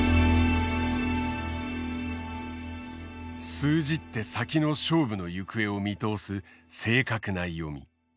数十手先の勝負の行方を見通す正確な読み。